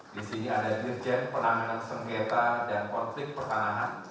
di sini ada dirjen penanganan sengketa dan konflik pertahanan